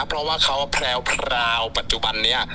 เพราะว่าเขาแพรวปัจจุบันนี้